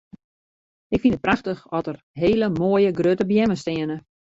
Ik fyn it prachtich at der hele moaie grutte beammen steane.